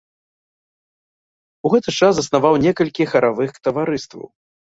У гэты ж час заснаваў некалькі харавых таварыстваў.